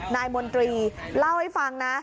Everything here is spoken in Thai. มนตรีเล่าให้ฟังนะ